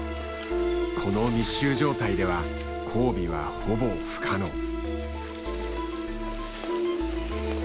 この密集状態では交尾はほぼ不可能。